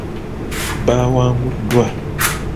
Baawanguddwa.